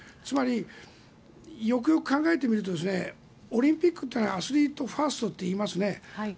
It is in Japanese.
つまり、よくよく考えてみるとオリンピックっていうのはアスリートファーストといいますね。